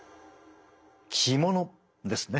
着物ですね？